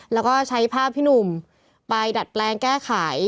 แล้วก็ใช้ภาพพี่หนุ่มไปดัดแปลงแก้ไข